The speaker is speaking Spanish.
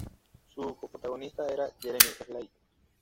Su co-protagonista era Jeremy Slate.